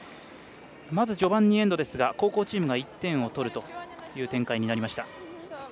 まず序盤２エンドですが後攻チームが１点を取るという展開になりました。